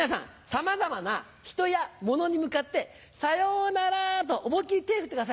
さまざまな人や物に向かって「さよなら」と思い切り手振ってください。